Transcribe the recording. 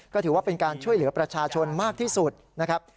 ก็ถือว่าเป็นการช่วยเหลือประชาชนมากที่สุดนะครับ